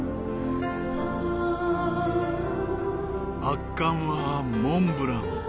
圧巻はモンブラン！